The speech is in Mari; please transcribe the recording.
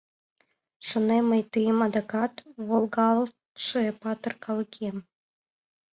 Шонем мый тыйым адакат, Волгалтше патыр калыкем.